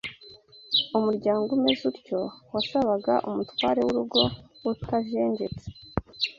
Umuryango umeze utyo wasabaga umutware w’urugo utajenjetse